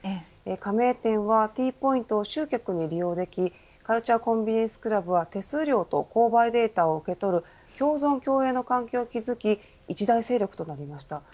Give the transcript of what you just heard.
加盟店はＴポイントを集客に利用できカルチュア・コンビニエンス・クラブは手数料と購買データを受け取る共存共栄の関係を築き一大勢力となりました。